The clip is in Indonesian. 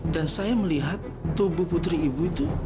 dan saya melihat tubuh putri ibu itu